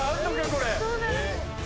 これ。